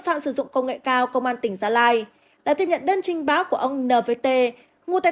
phạm sử dụng công nghệ cao công an tỉnh gia lai đã tiếp nhận đơn trình báo của ông nvt mua tại